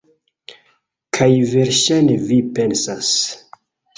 Kaj verŝajne vi pensas: